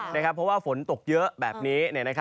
เพราะว่าฝนตกเยอะแบบนี้